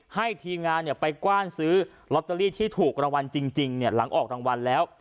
ทีมงานไปกว้านซื้อลอตเตอรี่ที่ถูกรางวัลจริงหลังออกรางวัลแล้ว